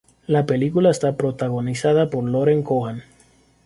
La película está protagonizada por Lauren Cohan.